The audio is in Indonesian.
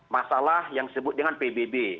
masalah yang disebut dengan pbb